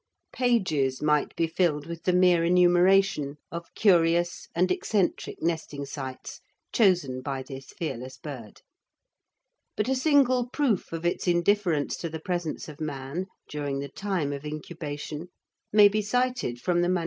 Pages might be filled with the mere enumeration of curious and eccentric nesting sites chosen by this fearless bird, but a single proof of its indifference to the presence of man during the time of incubation may be cited from the MS.